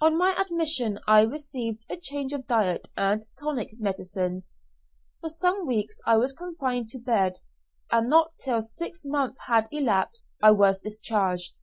On my admission I received a change of diet and tonic medicines. For some weeks I was confined to bed, and not till six months had elapsed was I discharged.